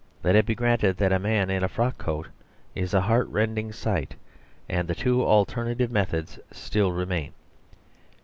Let it be granted that a man in a frock coat is a heartrending sight; and the two alternative methods still remain.